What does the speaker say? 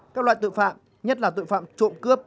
các loại tội phạm nhất là tội phạm trộm cướp